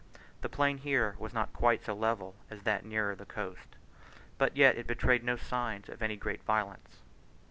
The plain here was not quite so level as that nearer the coast, but yet in betrayed no signs of any great violence.